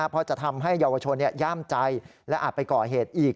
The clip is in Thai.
เพราะจะทำให้เยาวชนย่ามใจและอาจไปก่อเหตุอีก